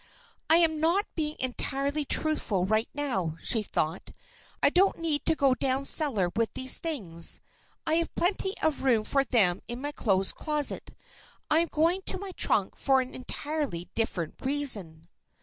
"I am not being entirely truthful right now," she thought. "I don't need to go down cellar with these things. I have plenty of room for them in my clothes closet. I am going to my trunk for an entirely different reason.